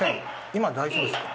今大丈夫ですか？